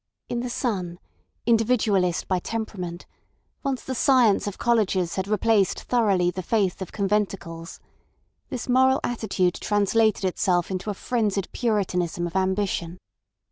In the son, individualist by temperament, once the science of colleges had replaced thoroughly the faith of conventicles, this moral attitude translated itself into a frenzied puritanism of ambition.